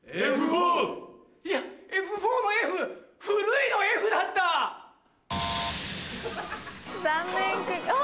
いや Ｆ４ の Ｆ「古い」の Ｆ だった！残念お！